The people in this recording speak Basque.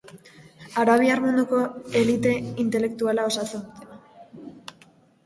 Arabiar munduko elite intelektuala osatzen dute.